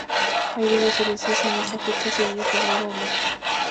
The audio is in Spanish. Hay dudas sobre si en esa fecha seguía poblado o no.